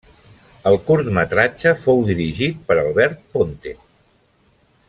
El curtmetratge fou dirigit per Albert Ponte.